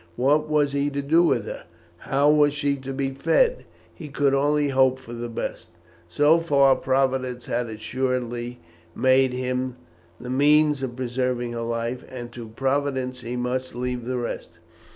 What was he to do with her? how was she to be fed? He could only hope for the best. So far Providence had assuredly made him the means of preserving her life, and to Providence he must leave the rest.